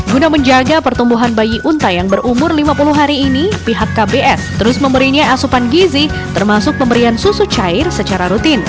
guna menjaga pertumbuhan bayi unta yang berumur lima puluh hari ini pihak kbs terus memberinya asupan gizi termasuk pemberian susu cair secara rutin